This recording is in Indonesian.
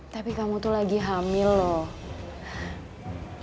tapi kamu tuh lagi hamil loh